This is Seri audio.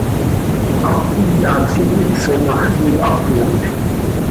Hap iyas quih tis oo ma x, yopahit.